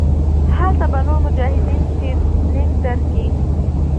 هلته به نور مجاهدين ټرېننګ دركي.